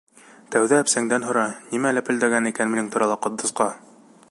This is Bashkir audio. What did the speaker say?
Тәүҙә әпсәңдән һора: нимә ләпелдәгән икән минең турала Ҡотдосҡа?